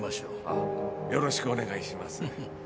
よろしくお願いします。